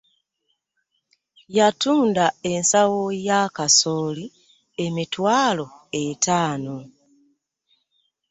Yatunda ensawo ya kasooli emitwalo etaano .